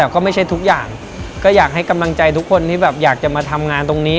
ก็ไม่ใช่ทุกอย่างก็อยากให้กำลังใจทุกคนที่แบบอยากจะมาทำงานตรงนี้